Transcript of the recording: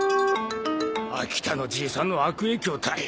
秋田のじいさんの悪影響たい。